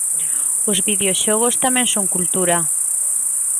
Os videoxogos tamén son cultura.